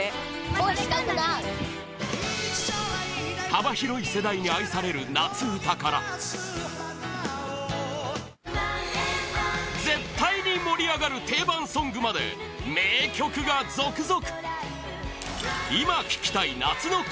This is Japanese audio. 幅広い世代に愛される夏うたから絶対に盛り上がる定番ソングまで名曲が続々！